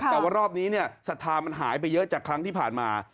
แต่ว่ารอบนี้เนี่ยศรัทธามันหายไปเยอะจากครั้งที่ผ่านมา